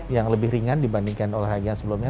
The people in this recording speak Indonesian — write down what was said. yang lebih ringan dibandingkan olahraga sebelumnya